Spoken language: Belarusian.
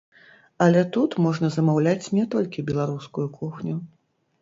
Але тут можна замаўляць не толькі беларускую кухню.